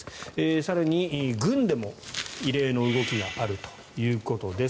更に、軍でも異例の動きがあるということです。